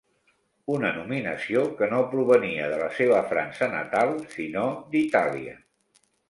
Una nominació que no provenia de la seva França natal sinó d'Itàlia.